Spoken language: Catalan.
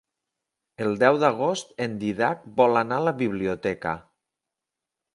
El deu d'agost en Dídac vol anar a la biblioteca.